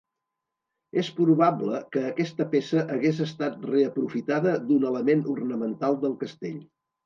És probable que aquesta peça hagués estat reaprofitada d'un element ornamental del castell.